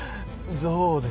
どうです？